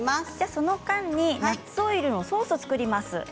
その間にナッツオイルのソースを作ります。